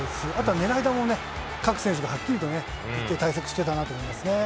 狙い球をね、各選手がはっきりとね、打って、対策してたなと思いますね。